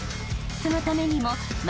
［そのためにも］